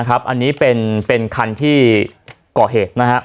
อันนี้เป็นคันที่ก่อเหตุ